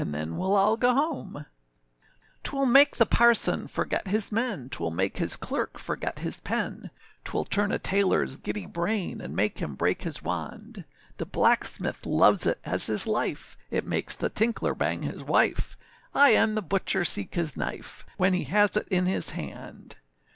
'Twill make the parson forget his men,— 'Twill make his clerk forget his pen; 'Twill turn a tailor's giddy brain, And make him break his wand, The blacksmith loves it as his life,— It makes the tinkler bang his wife,— Aye, and the butcher seek his knife When he has it in his hand!